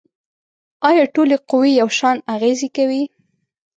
آیا ټولې قوې یو شان اغیزې کوي؟